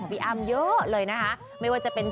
พี่อ้ำ